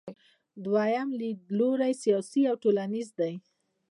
دویم لیدلوری سیاسي او ټولنیز دی.